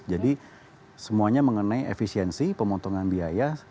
jadi semuanya mengenai efisiensi pemotongan biaya